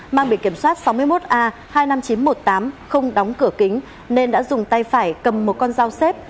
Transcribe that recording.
mang bị kiểm soát sáu mươi một a hai mươi năm nghìn chín trăm một mươi tám không đóng cửa kính nên đã dùng tay phải cầm một con dao xếp